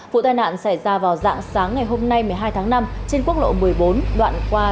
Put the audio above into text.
vụ tai nạn xảy ra vào dạng sáng ngày hôm nay một mươi hai tháng năm trên quốc lộ một mươi bốn đoạn qua